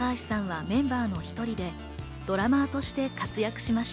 高橋さんはメンバーの１人でドラマーとして活躍しました。